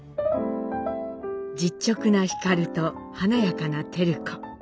実直な皓と華やかな照子。